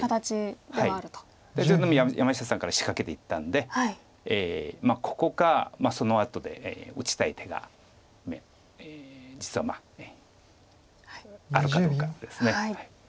ちょっと山下さんから仕掛けていったんでここかそのあとで打ちたい手が実はあるかどうかです。